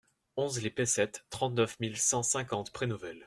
onze les Pessettes, trente-neuf mille cent cinquante Prénovel